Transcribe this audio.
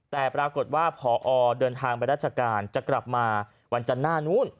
แต่ปรากฏว่าพอเดินทางไปราชการจะกลับมาวันจันทร์หน้านู้น